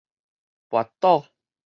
跋倒